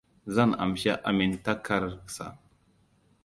Zan amshi amintakar sa.